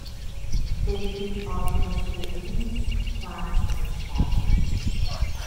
They feed on crustaceans, clams and small fishes.